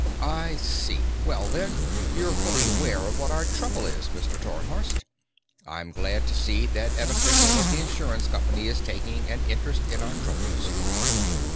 "I see. Well, then, you're fully aware of what our trouble is, Mr. Tarnhorst. I'm glad to see that an official of the insurance company is taking an interest in our troubles."